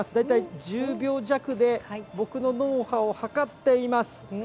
大体１０秒弱で、僕の脳波を計っています。